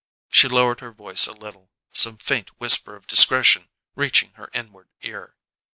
She lowered her voice a little, some faint whisper of discretion reaching her inward ear.